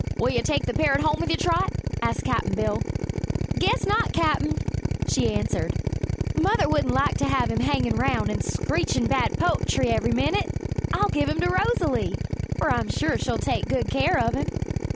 "Will you take the parrot home with you, Trot?" asked Cap'n Bill. "Guess not, Cap'n," she answered. "Mother wouldn't like to have him hangin' 'round an' screechin' bad po'try ev'ry minute. I'll give him to Rosalie, for I'm sure she'll take good care of him."